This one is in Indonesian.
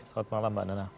selamat malam mbak nana